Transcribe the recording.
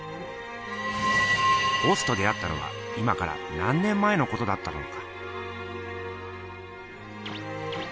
ボスと出会ったのは今から何年前のことだったろうか？